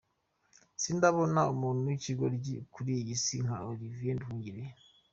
Sindabona umuntu w’ikigoryi kuri iyi si nka Olivier Nduhungirehe.